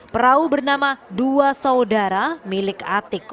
perahu bernama dua saudara milik atik